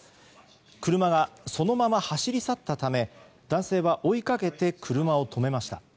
車はそのまま走り去ったため男性は追いかけて車を止めました。